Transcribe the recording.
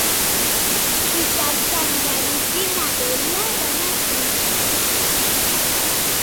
Dissabte en David i na Dèlia van a Xilxes.